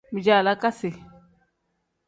Bijaalakasi.